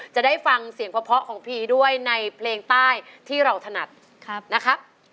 จะได้ฟังเสียงเพาะของพีด้วยในเพลงใต้ที่เราถนัดนะครับ